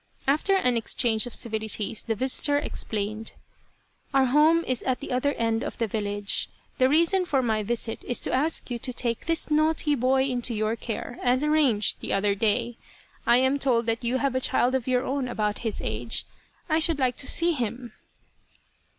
After an exchange of civilities, the visitor explained :" Our home is at the other end of the village. The reason for my visit is to ask you to take this naughty boy into your care, as arranged the other day. I am told that you have a child of your own about his age. I should like to see him